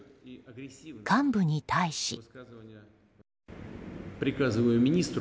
幹部に対し。